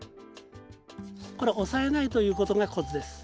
これ押さえないということがコツです。